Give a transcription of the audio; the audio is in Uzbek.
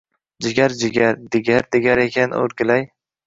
Jigar-jigar, digar-digar ekan, o‘rgilay.